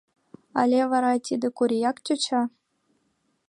Але вара тиде Корияк тӧча?